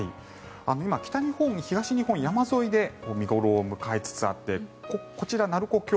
今、北日本、東日本山沿いで見頃を迎えつつあってこちら、鳴子峡